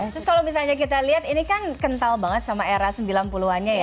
terus kalau misalnya kita lihat ini kan kental banget sama era sembilan puluh an nya ya